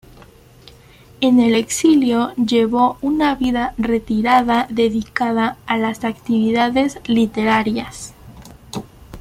En el exilio llevó una vida retirada dedicada a las actividades literarias.